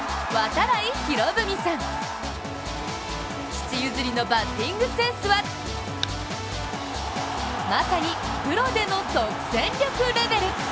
父譲りのバッティングセンスはまさにプロでの即戦力レベル。